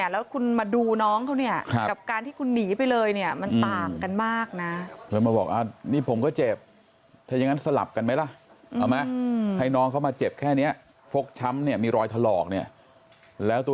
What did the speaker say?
แล้วคุณมาดูน้องเขากับการที่คุณหนีไปเลย